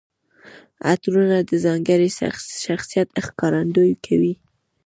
عطرونه د ځانګړي شخصیت ښکارندويي کوي.